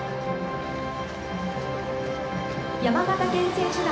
山形県選手団。